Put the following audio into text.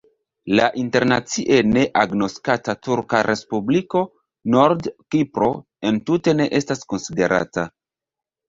La internacie neagnoskata turka respubliko Nord-Kipro entute ne estas konsiderata.